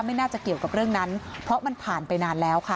ไม่น่าจะเกี่ยวกับเรื่องนั้นเพราะมันผ่านไปนานแล้วค่ะ